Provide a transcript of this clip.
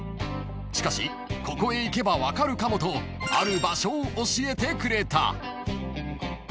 ［しかしここへ行けば分かるかもとある場所を教えてくれた］